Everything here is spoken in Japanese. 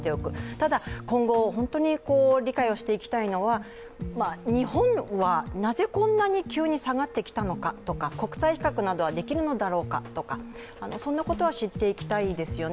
ただ今後、理解していきたいのは日本はなぜこんなに急に下がってきたのかとか国際比較などはできるのだろうかとかそんなことは知っていきたいですよね。